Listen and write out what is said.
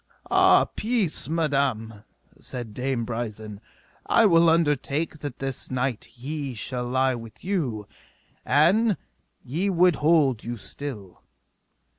Ah, peace, madam, said Dame Brisen, I will undertake that this night he shall lie with you, an ye would hold you still.